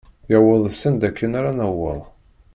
Yewweḍ s anda akken ara naweḍ.